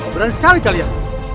berani sekali kalian